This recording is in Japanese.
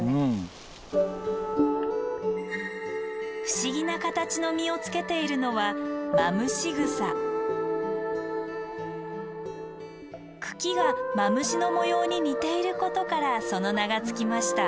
不思議な形の実をつけているのは茎がマムシの模様に似ていることからその名が付きました。